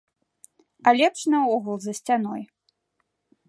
А лепш наогул за сцяной.